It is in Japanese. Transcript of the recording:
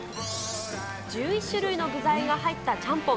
１１種類の具材が入ったちゃんぽん。